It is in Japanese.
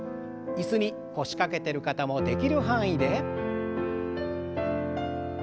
椅子に腰掛けてる方もできる範囲で。